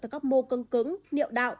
tới các mô cưng cứng niệu đạo